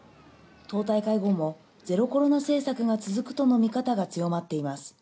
党大会後もゼロコロナ政策が続くとの見方が強まっています。